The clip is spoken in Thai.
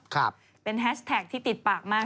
ครับเป็นแฮชแท็กที่ติดปากมาก